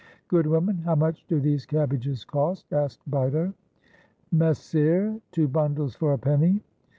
"Good woman, how much do these cabbages cost?" asked Bito. "Messere, two bundles for a penny."